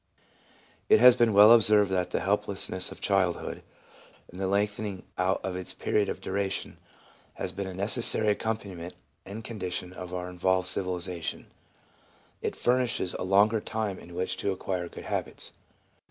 It has been well observed that the helplessness of childhood, and the lengthening out of its period of duration has been a necessary accompaniment and condition of our evolved civilisation. It furnishes a longer time in which to acquire good habits.